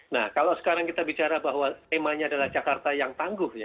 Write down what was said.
nah kalau sekarang kita bicara bahwa temanya adalah jakarta yang tangguh ya